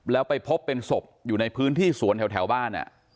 แล้วไปพบเป็นศพอยู่ในพื้นที่สวนแถวบ้าน